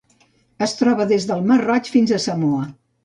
Es troba des del Mar Roig fins a Samoa.